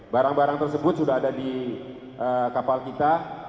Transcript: barang barang tersebut sudah ada di kapal kita